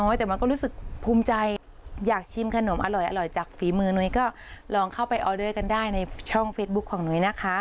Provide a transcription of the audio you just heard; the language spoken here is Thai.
อยากชิมขนมอร่อยอร่อยจากฝีมือนุยก็ลองเข้าไปออเดอร์กันได้ในช่องเฟสบุ๊คของนุยนะคะ